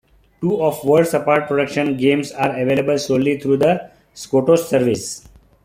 Two of Worlds Apart Production's games are available solely through the Skotos service.